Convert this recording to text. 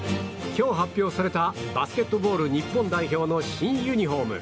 今日発表されたバスケットボール日本代表の新ユニホーム。